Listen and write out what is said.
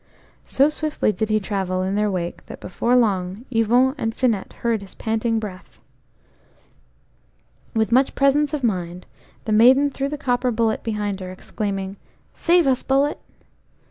O swiftly did he travel in their wake that before long Yvon and Finette heard his panting breath. With much presence of mind, the maiden threw the copper bullet behind her, exclaiming, "Save us, bullet!"